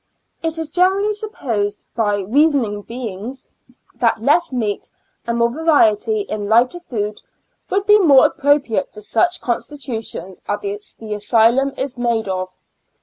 It is generally supposed, by reasoning beings, that less meat and more variety in lighter food, would be more appropriate to such constitutions as the asylum is made up of.